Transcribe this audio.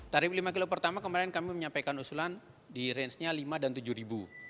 tarif lima km pertama kemarin kami menyampaikan usulan di range nya rp lima dan rp tujuh